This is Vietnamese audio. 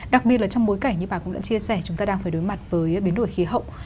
đặc biệt là trong bối cảnh như bà cũng đã chia sẻ chúng ta đang phải đối mặt với biến đổi khí hậu